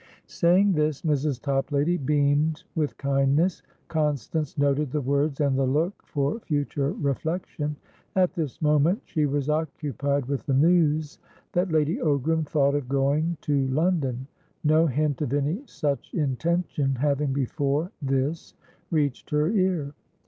Saying this, Mrs. Toplady beamed with kindness. Constance noted the words and the look for future reflection. At this moment, she was occupied with the news that Lady Ogram thought of going to London, no hint of any such intention having before this reached her ear.